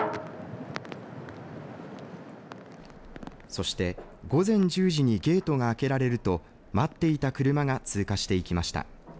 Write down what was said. そして午前１０時にゲートが開けられると待っていた車が通過していきました。